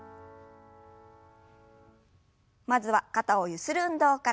まずは肩をゆする運動から。